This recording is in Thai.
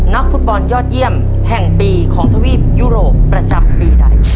นักฟุตบอลยอดเยี่ยมแห่งปีของทวีปยุโรปประจำปีใด